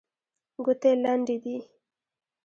ګوتې لنډې دي.